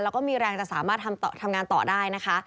แล้วก็มีแรงจะสามารถทำงานต่อได้นะคะ